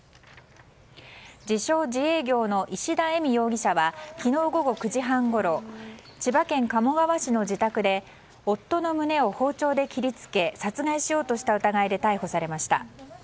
自称自営業の石田エミ容疑者は昨日午後９時半ごろ千葉県鴨川市の自宅で夫の胸を包丁で切り付け殺害しようとした疑いで逮捕されました。